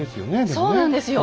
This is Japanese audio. そうなんですよ。